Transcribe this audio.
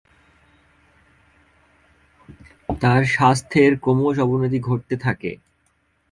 তার স্বাস্থ্যের ক্রমশঃ অবনতি ঘটতে থাকে।